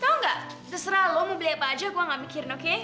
tau nggak terserah lu mau beli apa aja gua gak mikirin oke